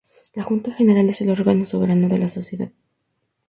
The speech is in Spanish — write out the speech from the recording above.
La Junta General es el órgano soberano de la Sociedad.